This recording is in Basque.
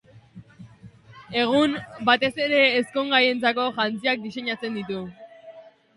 Egun, batez ere, ezkongaientzako jantziak diseinatzen ditu.